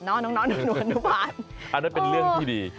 อันนั้นเป็นเรื่องที่ดี